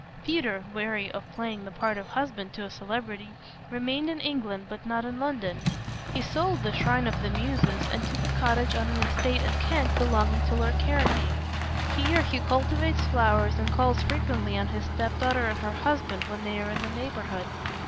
Peter, weary of playing the part of husband to a celebrity, remained in England but not in London. He sold the "Shrine of the Muses" and took a cottage on an estate in Kent belonging to Lord Caranby. Here he cultivates flowers and calls frequently on his step daughter and her husband, when they are in the neighborhood.